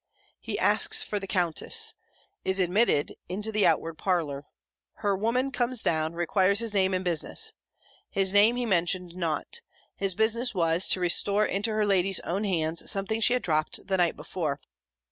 He asks for the Countess. Is admitted into the outward parlour her woman comes down; requires his name and business. His name he mentioned not. His business was, to restore into her lady's own hands, something she had dropt the night before.